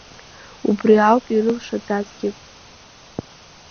Убри ауп ирылшаӡазгьы.